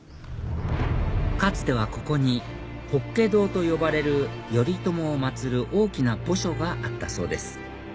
かつてはここに法華堂と呼ばれる頼朝を祭る大きな墓所があったそうです